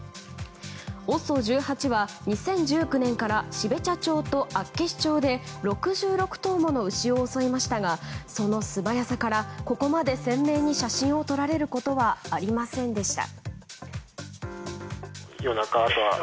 ＯＳＯ１８は２０１９年から標茶町と厚岸町で６６頭もの牛を襲いましたがその素早さからここまで鮮明に写真を撮られることはありませんでした。